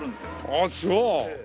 あっそう。